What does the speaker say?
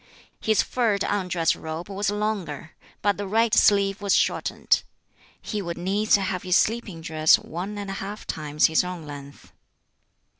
His furred undress robe was longer, but the right sleeve was shortened. He would needs have his sleeping dress one and a half times his own length.